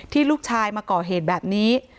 ลูกชายมาก่อเหตุแบบนี้